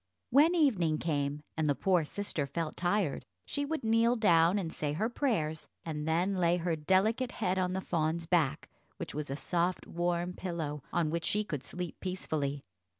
When evening came, and the poor sister felt tired, she would kneel down and say her prayers, and then lay her delicate head on the fawn's back, which was a soft warm pillow, on which she could sleep peacefully.